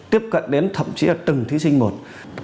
tiếp cận đến thậm chí là từng thí sinh một